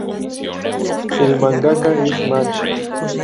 El mangaka es match.